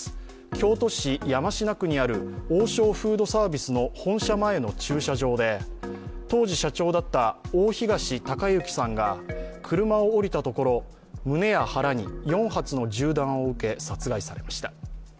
京都市山科区にある王将フードサービスの本社前の駐車場で当時、社長だった大東隆行さんが車を降りたところ、胸や腹に４発の銃弾を受け殺害されました。